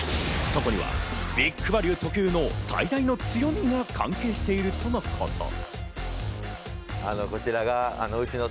そこにＢＩＧバリュー特有の最大の強みが関係しているとのこと。